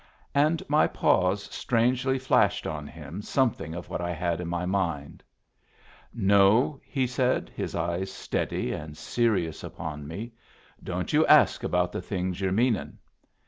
And my pause strangely flashed on him something of that I had in my mind. "No," he said, his eyes steady and serious upon me, "don't you ask about the things you're meaning."